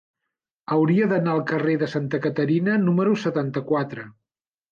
Hauria d'anar al carrer de Santa Caterina número setanta-quatre.